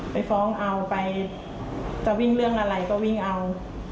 ไปฟ้องเอาไปจะวิ่งเรื่องอะไรก็วิ่งเอา